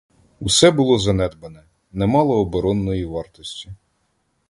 Усе було занедбане, не мало оборонної вартості.